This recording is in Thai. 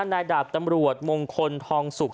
นายดาบตำรวจมงคลทองสุก